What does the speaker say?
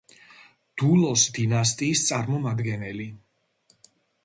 დულოს დინასტიის წარმომადგენელი.